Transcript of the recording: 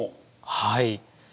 はい。